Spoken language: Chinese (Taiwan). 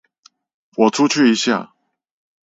我出去一下